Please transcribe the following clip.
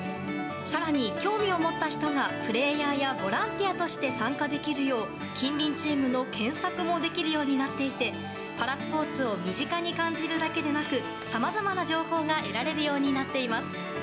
更に、興味を持った人がプレーヤーやボランティアとして参加できるよう近隣チームの検索もできるようになっていてパラスポーツを身近に感じるだけでなくさまざまな情報が得られるようになっています。